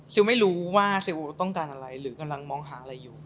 ไม่รู้ว่าซีอุต้องการอะไรหรือกำลังมองหาอะไรอยู่